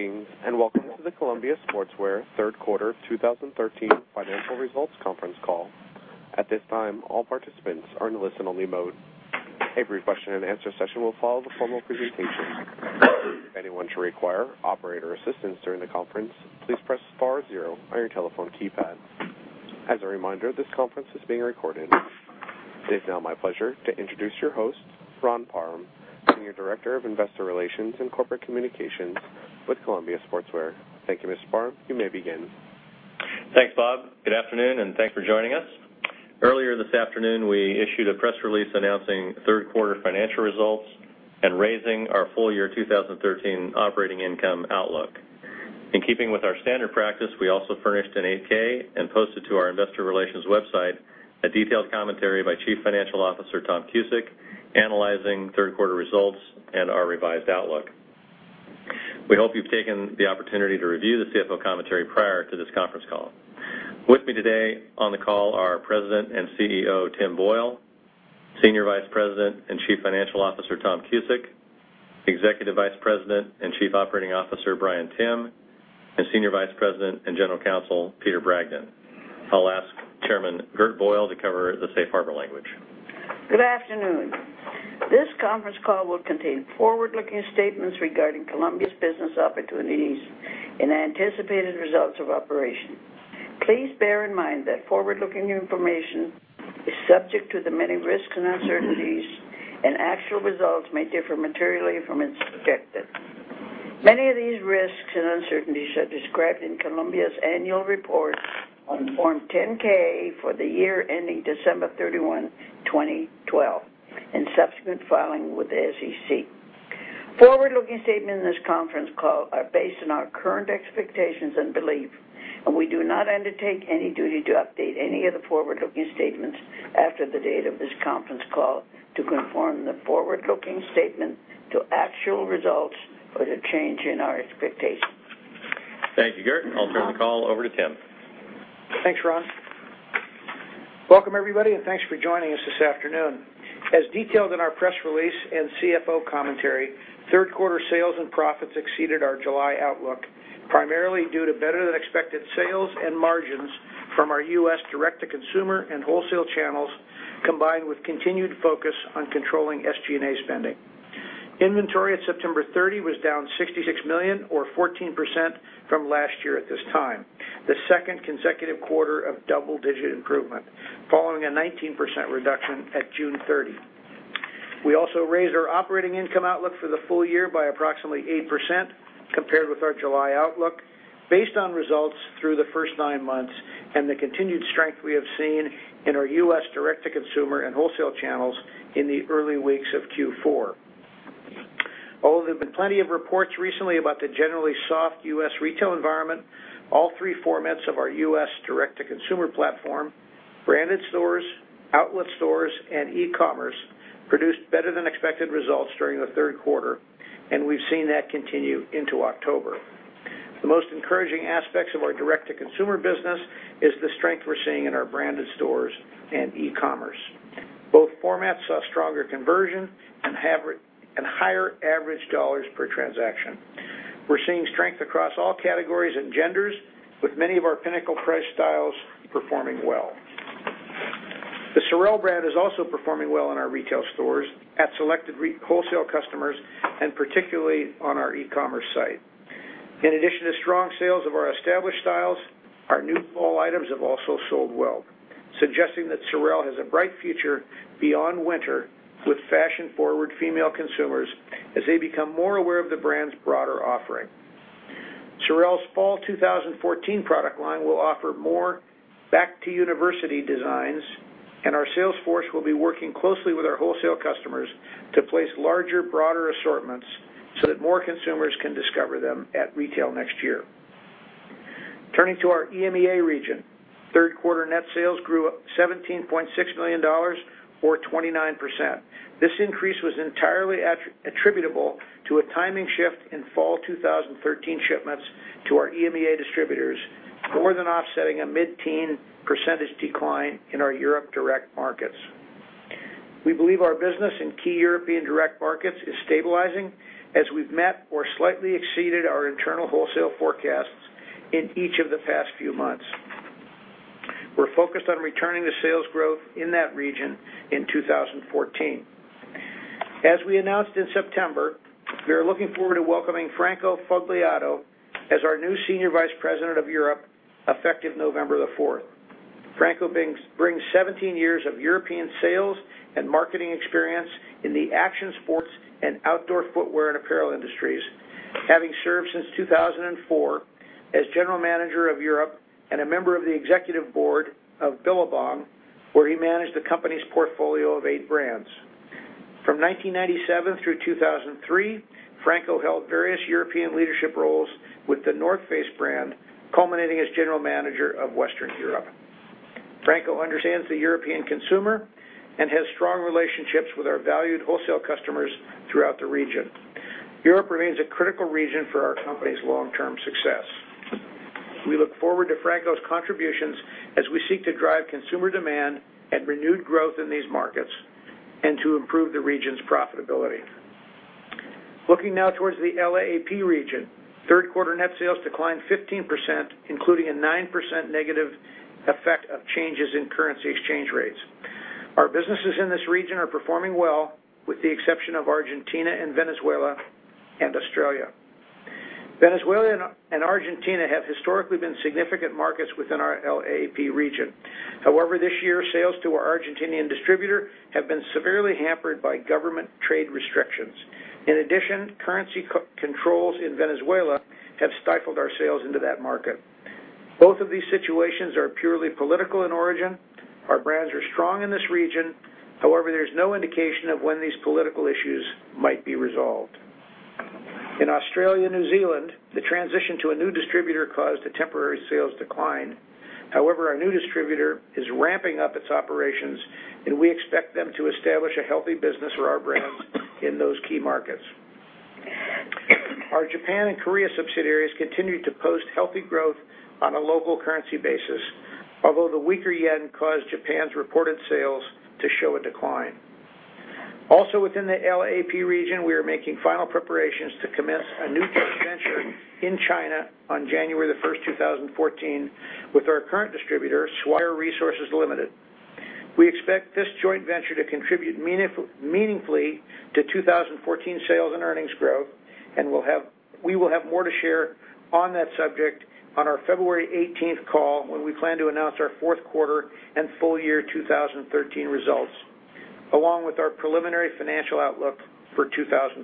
Greetings, and welcome to the Columbia Sportswear third quarter 2013 financial results conference call. At this time, all participants are in listen-only mode. A question-and-answer session will follow the formal presentation. If anyone should require operator assistance during the conference, please press star 0 on your telephone keypad. As a reminder, this conference is being recorded. It is now my pleasure to introduce your host, Ron Parham, Senior Director of Investor Relations and Corporate Communications with Columbia Sportswear. Thank you, Mr. Parham. You may begin. Thanks, Bob. Good afternoon, and thanks for joining us. Earlier this afternoon, we issued a press release announcing third quarter financial results and raising our full year 2013 operating income outlook. In keeping with our standard practice, we also furnished an 8-K and posted to our investor relations website a detailed commentary by Chief Financial Officer Tom Cusick, analyzing third quarter results and our revised outlook. We hope you've taken the opportunity to review the CFO commentary prior to this conference call. With me today on the call are President and CEO Tim Boyle, Senior Vice President and Chief Financial Officer Tom Cusick, Executive Vice President and Chief Operating Officer Bryan Timm, and Senior Vice President and General Counsel Peter Bragdon. I'll ask Chairman Gert Boyle to cover the safe harbor language. Good afternoon. This conference call will contain forward-looking statements regarding Columbia's business opportunities and anticipated results of operation. Please bear in mind that forward-looking information is subject to the many risks and uncertainties, and actual results may differ materially from its objectives. Many of these risks and uncertainties are described in Columbia's annual report on Form 10-K for the year ending December 31, 2012, and subsequent filing with the SEC. Forward-looking statements in this conference call are based on our current expectations and belief. We do not undertake any duty to update any of the forward-looking statements after the date of this conference call to conform the forward-looking statement to actual results or to change in our expectations. Thank you, Gert. I'll turn the call over to Tim. Thanks, Ron. Welcome everybody, thanks for joining us this afternoon. As detailed in our press release and CFO commentary, third quarter sales and profits exceeded our July outlook, primarily due to better than expected sales and margins from our U.S. direct-to-consumer and wholesale channels, combined with continued focus on controlling SG&A spending. Inventory at September 30 was down $66 million or 14% from last year at this time, the second consecutive quarter of double-digit improvement, following a 19% reduction at June 30. We also raised our operating income outlook for the full year by approximately 8% compared with our July outlook, based on results through the first nine months and the continued strength we have seen in our U.S. direct-to-consumer and wholesale channels in the early weeks of Q4. Although there's been plenty of reports recently about the generally soft U.S. retail environment, all three formats of our U.S. direct-to-consumer platform, branded stores, outlet stores, and e-commerce, produced better than expected results during the third quarter. We've seen that continue into October. The most encouraging aspects of our direct-to-consumer business is the strength we're seeing in our branded stores and e-commerce. Both formats saw stronger conversion and higher average dollars per transaction. We're seeing strength across all categories and genders, with many of our pinnacle price styles performing well. The Sorel brand is also performing well in our retail stores at selected retail wholesale customers, and particularly on our e-commerce site. In addition to strong sales of our established styles, our new fall items have also sold well, suggesting that Sorel has a bright future beyond winter with fashion forward female consumers as they become more aware of the brand's broader offering. Sorel's fall 2014 product line will offer more back to university designs. Our sales force will be working closely with our wholesale customers to place larger, broader assortments so that more consumers can discover them at retail next year. Turning to our EMEA region, third quarter net sales grew $17.6 million, or 29%. This increase was entirely attributable to a timing shift in fall 2013 shipments to our EMEA distributors, more than offsetting a mid-teen percentage decline in our Europe direct markets. We believe our business in key European direct markets is stabilizing as we've met or slightly exceeded our internal wholesale forecasts in each of the past few months. We're focused on returning to sales growth in that region in 2014. As we announced in September, we are looking forward to welcoming Franco Fogliato as our new Senior Vice President of Europe effective November the fourth. Franco brings 17 years of European sales and marketing experience in the action sports and outdoor footwear and apparel industries, having served since 2004 as General Manager of Europe and a member of the executive board of Billabong, where he managed the company's portfolio of eight brands. From 1997 through 2003, Franco held various European leadership roles with The North Face brand, culminating as General Manager of Western Europe. Franco understands the European consumer and has strong relationships with our valued wholesale customers throughout the region. Europe remains a critical region for our company's long-term success. We look forward to Franco's contributions as we seek to drive consumer demand and renewed growth in these markets, and to improve the region's profitability. Looking now towards the LAAP region. Third quarter net sales declined 15%, including a 9% negative effect of changes in currency exchange rates. Our businesses in this region are performing well, with the exception of Argentina and Venezuela and Australia. Venezuela and Argentina have historically been significant markets within our LAAP region. This year, sales to our Argentinian distributor have been severely hampered by government trade restrictions. In addition, currency controls in Venezuela have stifled our sales into that market. Both of these situations are purely political in origin. Our brands are strong in this region. There's no indication of when these political issues might be resolved. In Australia and New Zealand, the transition to a new distributor caused a temporary sales decline. Our new distributor is ramping up its operations, and we expect them to establish a healthy business for our brands in those key markets. Our Japan and Korea subsidiaries continued to post healthy growth on a local currency basis. Although the weaker yen caused Japan's reported sales to show a decline. Also within the LAAP region, we are making final preparations to commence a new joint venture in China on January the 1st, 2014, with our current distributor, Swire Resources Limited. We expect this joint venture to contribute meaningfully to 2014 sales and earnings growth, and we will have more to share on that subject on our February 18th call, when we plan to announce our fourth quarter and full year 2013 results, along with our preliminary financial outlook for 2014.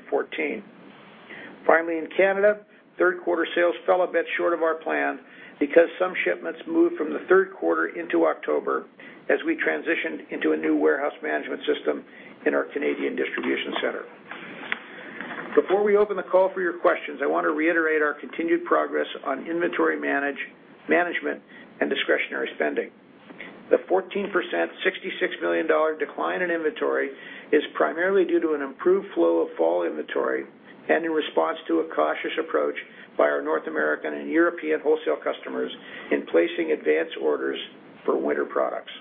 In Canada, third quarter sales fell a bit short of our plan because some shipments moved from the third quarter into October, as we transitioned into a new warehouse management system in our Canadian distribution center. Before we open the call for your questions, I want to reiterate our continued progress on inventory management and discretionary spending. The 14%, $66 million decline in inventory is primarily due to an improved flow of fall inventory and in response to a cautious approach by our North American and European wholesale customers in placing advance orders for winter products.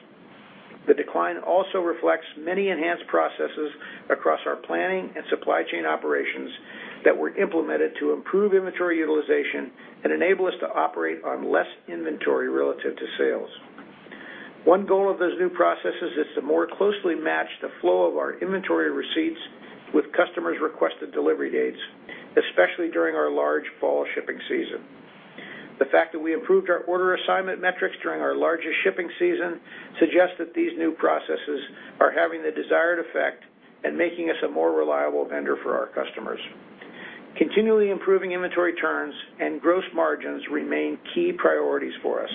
The decline also reflects many enhanced processes across our planning and supply chain operations that were implemented to improve inventory utilization and enable us to operate on less inventory relative to sales. One goal of those new processes is to more closely match the flow of our inventory receipts with customers' requested delivery dates, especially during our large fall shipping season. The fact that we improved our order assignment metrics during our largest shipping season suggests that these new processes are having the desired effect and making us a more reliable vendor for our customers. Continually improving inventory turns and gross margins remain key priorities for us.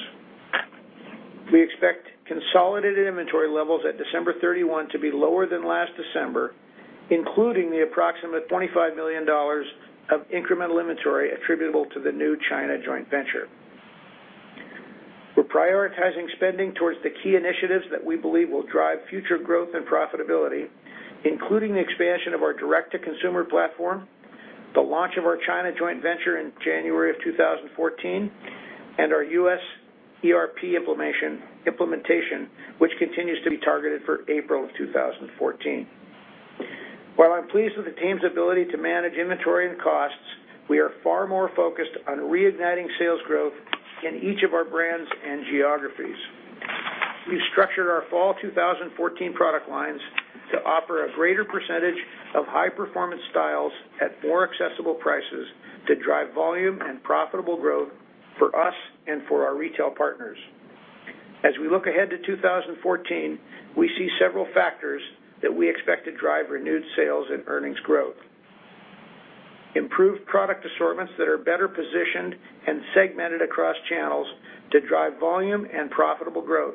We expect consolidated inventory levels at December 31 to be lower than last December, including the approximate $25 million of incremental inventory attributable to the new China joint venture. We're prioritizing spending towards the key initiatives that we believe will drive future growth and profitability, including the expansion of our direct-to-consumer platform, the launch of our China joint venture in January of 2014, and our U.S. ERP implementation, which continues to be targeted for April of 2014. While I'm pleased with the team's ability to manage inventory and costs, we are far more focused on reigniting sales growth in each of our brands and geographies. We've structured our fall 2014 product lines to offer a greater percentage of high-performance styles at more accessible prices to drive volume and profitable growth for us and for our retail partners. As we look ahead to 2014, we see several factors that we expect to drive renewed sales and earnings growth. Improved product assortments that are better positioned and segmented across channels to drive volume and profitable growth.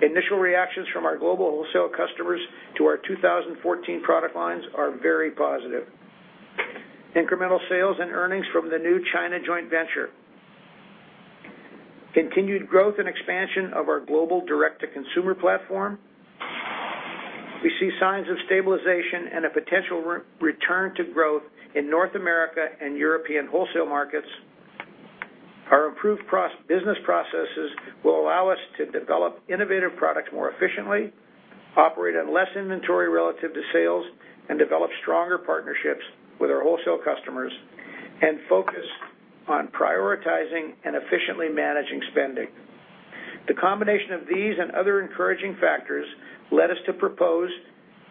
Initial reactions from our global wholesale customers to our 2014 product lines are very positive. Incremental sales and earnings from the new China joint venture. Continued growth and expansion of our global direct-to-consumer platform. We see signs of stabilization and a potential return to growth in North America and European wholesale markets. Our improved business processes will allow us to develop innovative products more efficiently, operate on less inventory relative to sales, and develop stronger partnerships with our wholesale customers and focus on prioritizing and efficiently managing spending. The combination of these and other encouraging factors led us to propose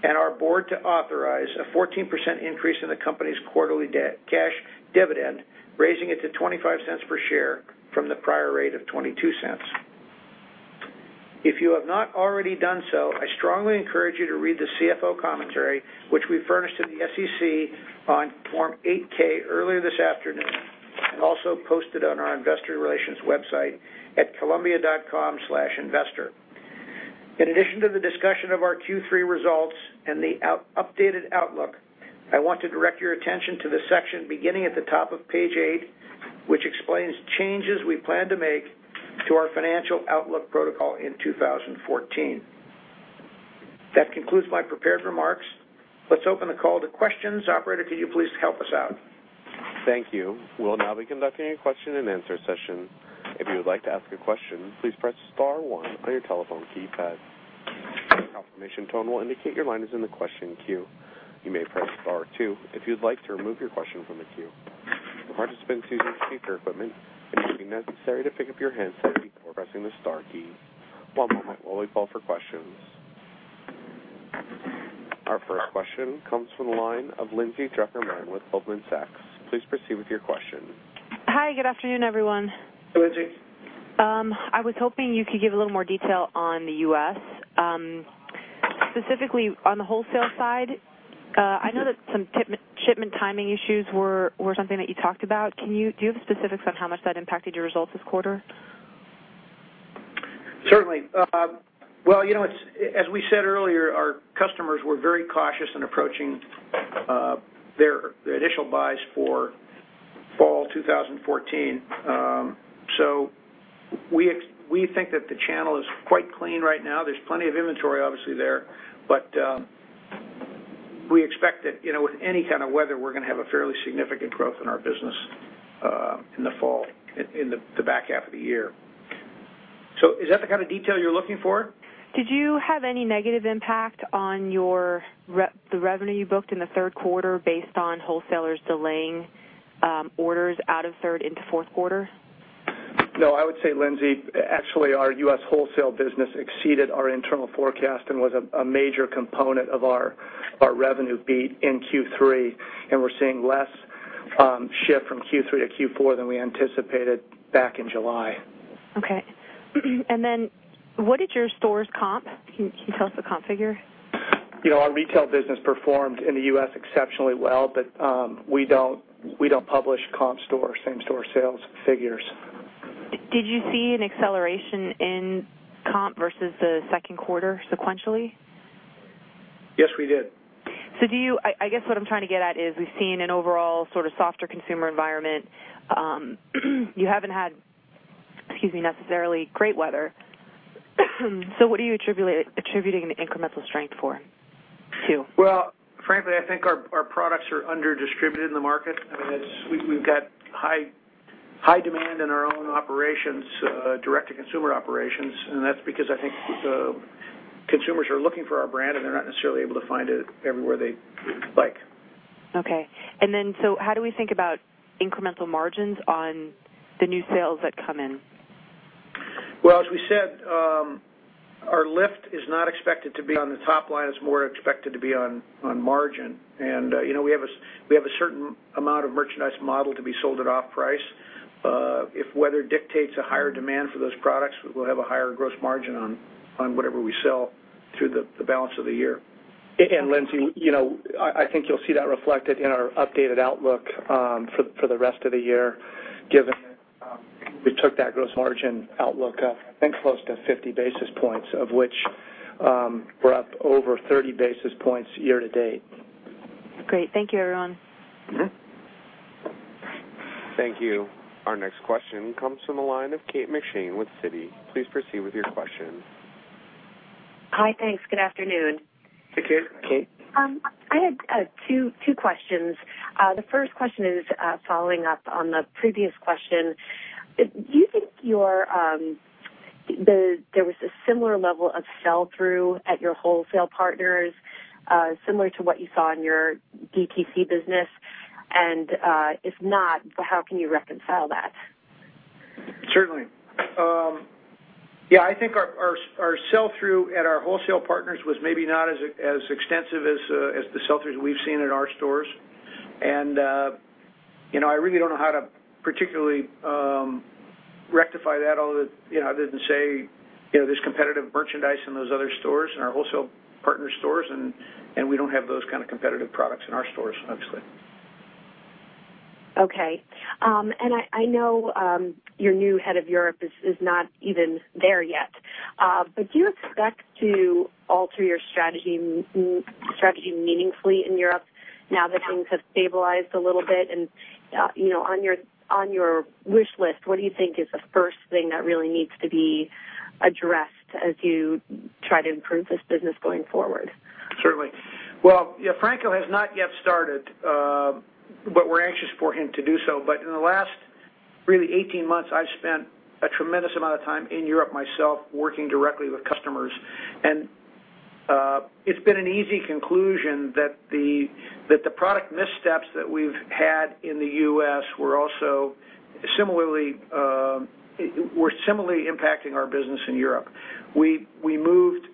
and our board to authorize a 14% increase in the company's quarterly cash dividend, raising it to $0.25 per share from the prior rate of $0.22. If you have not already done so, I strongly encourage you to read the CFO commentary, which we furnished to the SEC on Form 8-K earlier this afternoon, and also posted on our investor relations website at columbia.com/investor. In addition to the discussion of our Q3 results and the updated outlook, I want to direct your attention to the section beginning at the top of page eight, which explains changes we plan to make to our financial outlook protocol in 2014. That concludes my prepared remarks. Let's open the call to questions. Operator, can you please help us out? Thank you. We'll now be conducting a question and answer session. If you would like to ask a question, please press star one on your telephone keypad. A confirmation tone will indicate your line is in the question queue. You may press star two if you'd like to remove your question from the queue. For participants using speaker equipment, it may be necessary to pick up your handset before pressing the star key. One moment while we call for questions. Our first question comes from the line of Lindsay Drucker Mann with Goldman Sachs. Please proceed with your question. Hi, good afternoon, everyone. Hey, Lindsay. I was hoping you could give a little more detail on the U.S., specifically on the wholesale side. I know that some shipment timing issues were something that you talked about. Do you have specifics on how much that impacted your results this quarter? Certainly. Well, as we said earlier, our customers were very cautious in approaching their initial buys for fall 2014. We think that the channel is quite clean right now. There's plenty of inventory obviously there. We expect that, with any kind of weather, we're going to have a fairly significant growth in our business in the fall, in the back half of the year. Is that the kind of detail you're looking for? Did you have any negative impact on the revenue you booked in the third quarter based on wholesalers delaying orders out of third into fourth quarter? No, I would say, Lindsay, actually, our U.S. wholesale business exceeded our internal forecast and was a major component of our revenue beat in Q3. We're seeing less shift from Q3 to Q4 than we anticipated back in July. Okay. What is your stores comp? Can you tell us the comp figure? Our retail business performed in the U.S. exceptionally well. We don't publish comp store, same store sales figures. Did you see an acceleration in comp versus the second quarter sequentially? Yes, we did. I guess what I'm trying to get at is, we've seen an overall sort of softer consumer environment. You haven't had, excuse me, necessarily great weather. What are you attributing the incremental strength for, to? Well, frankly, I think our products are under-distributed in the market. We've got high demand in our own operations, direct-to-consumer operations. That's because I think the consumers are looking for our brand, and they're not necessarily able to find it everywhere they like. Okay. How do we think about incremental margins on the new sales that come in? Well, as we said, our lift is not expected to be on the top line. It's more expected to be on margin. We have a certain amount of merchandise modeled to be sold at off price. If weather dictates a higher demand for those products, we'll have a higher gross margin on whatever we sell through the balance of the year. Lindsay, I think you'll see that reflected in our updated outlook for the rest of the year, given that we took that gross margin outlook up, I think, close to 50 basis points, of which we're up over 30 basis points year-to-date. Great. Thank you, everyone. Thank you. Our next question comes from the line of Kate McShane with Citi. Please proceed with your question. Hi, thanks. Good afternoon. Hey, Kate. Kate. I had two questions. The first question is following up on the previous question. Do you think there was a similar level of sell-through at your wholesale partners, similar to what you saw in your DTC business? If not, how can you reconcile that? Certainly. Yeah, I think our sell-through at our wholesale partners was maybe not as extensive as the sell-throughs we've seen in our stores. I really don't know how to particularly rectify that other than say, there's competitive merchandise in those other stores, in our wholesale partner stores, and we don't have those kind of competitive products in our stores, obviously. Okay. I know your new head of Europe is not even there yet. Do you expect to alter your strategy meaningfully in Europe now that things have stabilized a little bit? On your wish list, what do you think is the first thing that really needs to be addressed as you try to improve this business going forward? Certainly. Well, Franco has not yet started, but we're anxious for him to do so. In the last really 18 months, I've spent a tremendous amount of time in Europe myself, working directly with customers. It's been an easy conclusion that the product missteps that we've had in the U.S. were similarly impacting our business in Europe. We moved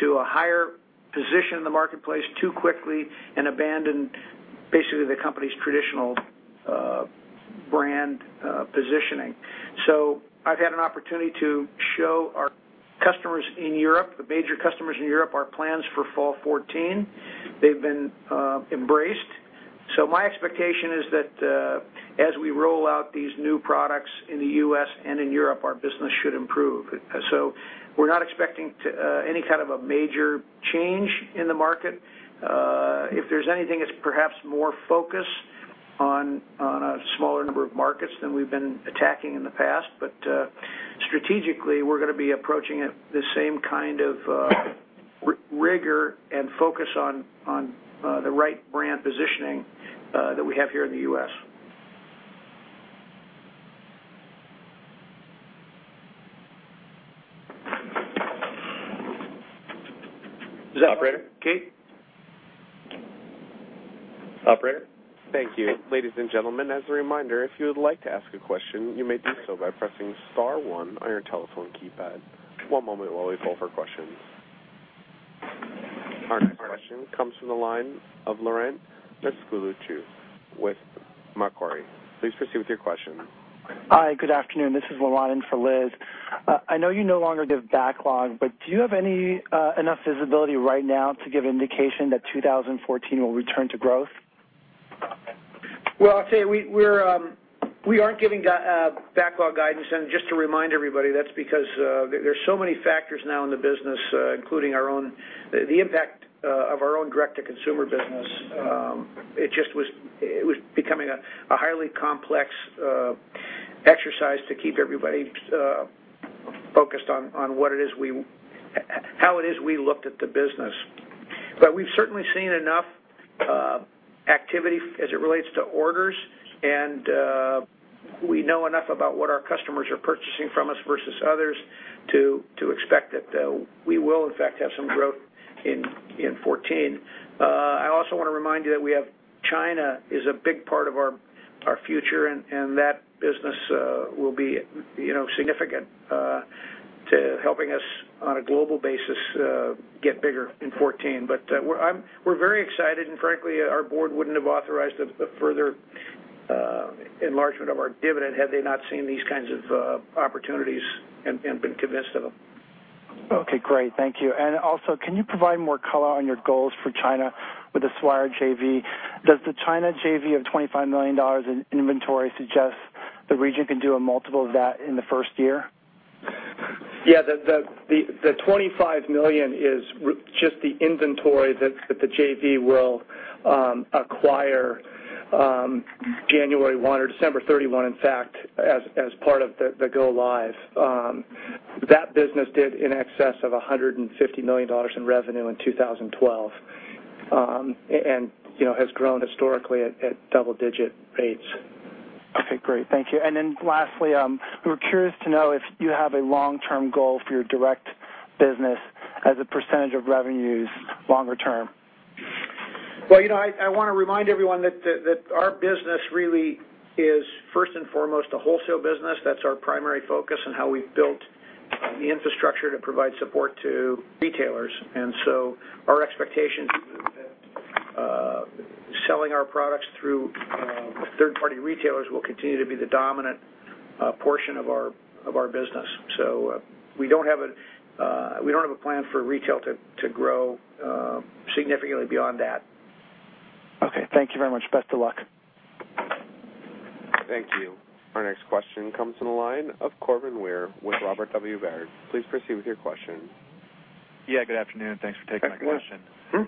to a higher position in the marketplace too quickly and abandoned basically the company's traditional brand positioning. I've had an opportunity to show our customers in Europe, the major customers in Europe, our plans for fall 2014. They've been embraced. My expectation is that as we roll out these new products in the U.S. and in Europe, our business should improve. We're not expecting any kind of a major change in the market. If there's anything, it's perhaps more focus on a smaller number of markets than we've been attacking in the past. Strategically, we're going to be approaching it with the same kind of rigor and focus on the right brand positioning that we have here in the U.S. Operator? Kate? Operator? Thank you. Ladies and gentlemen, as a reminder, if you would like to ask a question, you may do so by pressing star one on your telephone keypad. One moment while we call for questions. Our next question comes from the line of Laurent Vasilescu with Macquarie. Please proceed with your question. Hi, good afternoon. This is Laurent in for Liz. I know you no longer give backlog, but do you have enough visibility right now to give indication that 2014 will return to growth? Well, I'll tell you, we aren't giving backlog guidance, and just to remind everybody, that's because there's so many factors now in the business, including the impact of our own direct-to-consumer business. It was becoming a highly complex exercise to keep everybody focused on how it is we looked at the business. We've certainly seen enough activity as it relates to orders, and we know enough about what our customers are purchasing from us versus others to expect that we will, in fact, have some growth in 2014. I also want to remind you that China is a big part of our future, and that business will be significant to helping us on a global basis get bigger in 2014. We're very excited, and frankly, our board wouldn't have authorized a further enlargement of our dividend had they not seen these kinds of opportunities and been convinced of them. Okay, great. Thank you. Also, can you provide more color on your goals for China with the Swire JV? Does the China JV of $25 million in inventory suggest the region can do a multiple of that in the first year? Yeah. The $25 million is just the inventory that the JV will acquire January 1 or December 31, in fact, as part of the go live. That business did in excess of $150 million in revenue in 2012, has grown historically at double-digit rates. Okay, great. Thank you. Lastly, we were curious to know if you have a long-term goal for your direct business as a percentage of revenues longer term. Well, I want to remind everyone that our business really is first and foremost a wholesale business. That's our primary focus and how we've built the infrastructure to provide support to retailers. Our expectation is that selling our products through third-party retailers will continue to be the dominant portion of our business. We don't have a plan for retail to grow significantly beyond that. Okay. Thank you very much. Best of luck. Thank you. Our next question comes from the line of Corbin Weyer with Robert W. Baird. Please proceed with your question. Yeah, good afternoon. Thanks for taking my question. Yes.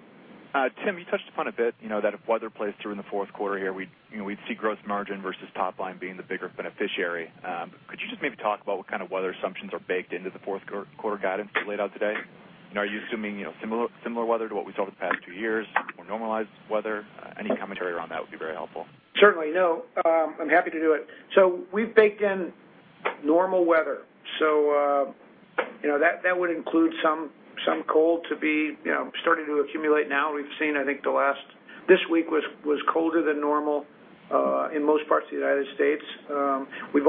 Mm-hmm. Tim, you touched upon a bit, that if weather plays through in the fourth quarter here, we'd see gross margin versus top line being the bigger beneficiary. Could you just maybe talk about what kind of weather assumptions are baked into the fourth quarter guidance that laid out today? Are you assuming similar weather to what we saw the past two years, more normalized weather? Any commentary around that would be very helpful. Certainly. I'm happy to do it. We've baked in normal weather. That would include some cold to be starting to accumulate now. We've seen, I think this week was colder than normal in most parts of the U.S. We've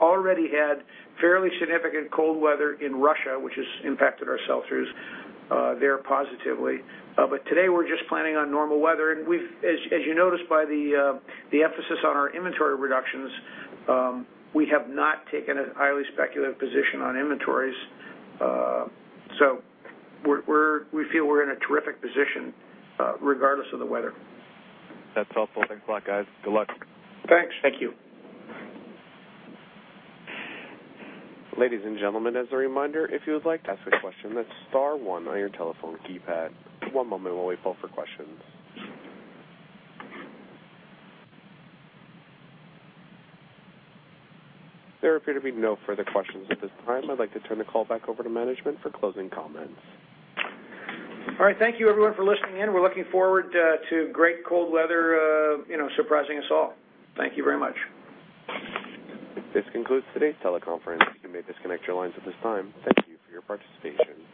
already had fairly significant cold weather in Russia, which has impacted our sell-throughs there positively. Today, we're just planning on normal weather, and as you noticed by the emphasis on our inventory reductions, we have not taken a highly speculative position on inventories. We feel we're in a terrific position regardless of the weather. That's helpful. Thanks a lot, guys. Good luck. Thanks. Thank you. Ladies and gentlemen, as a reminder, if you would like to ask a question, that's star one on your telephone keypad. One moment while we call for questions. There appear to be no further questions at this time. I'd like to turn the call back over to management for closing comments. All right. Thank you everyone for listening in. We're looking forward to great cold weather surprising us all. Thank you very much. This concludes today's teleconference. You may disconnect your lines at this time. Thank you for your participation.